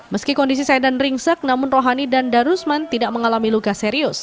meski kondisi sedan ringsek namun rohani dan darusman tidak mengalami luka serius